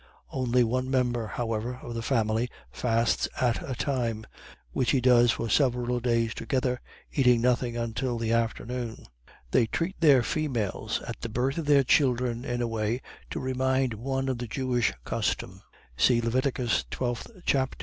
Only one member, however, of the family fasts at a time, which he does for several days together, eating nothing until the afternoon. They treat their females at the birth of their children in a way to remind one of the Jewish custom. See Lev. 12 chap.